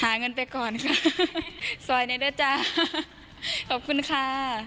หาเงินไปข่อน้องค่ะซอยในได้จ้าขอบคุณค่ะ